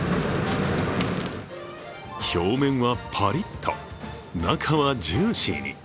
表面はパリッと中はジューシーに。